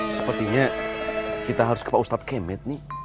sepertinya kita harus ke pak ustadz kemed nih